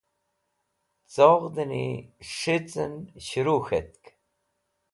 Coghdni s̃hicẽn shẽru k̃htk.